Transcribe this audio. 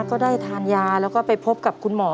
ก็ได้ทานยาแล้วก็ไปพบกับคุณหมอ